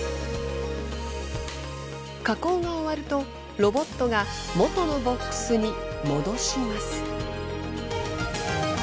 加工が終わるとロボットが元のボックスに戻します。